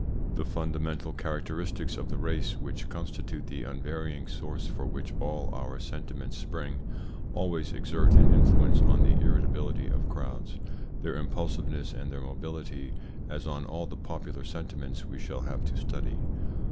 The fundamental characteristics of the race, which constitute the unvarying source from which all our sentiments spring, always exert an influence on the irritability of crowds, their impulsiveness and their mobility, as on all the popular sentiments we shall have to study.